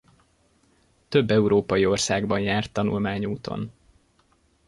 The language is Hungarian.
Több európai országban járt tanulmányúton.